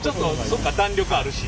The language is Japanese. そっか弾力あるし。